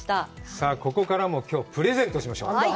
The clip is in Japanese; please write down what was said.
さあ、ここからもきょう、プレゼントしましょう。